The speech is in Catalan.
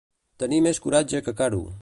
Tenir més coratge que Caro.